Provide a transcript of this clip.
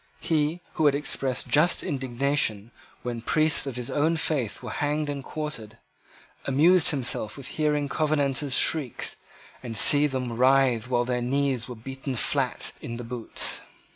He, who had expressed just indignation when the priests of his own faith were hanged and quartered, amused himself with hearing Covenanters shriek and seeing them writhe while their knees were beaten flat in the boots.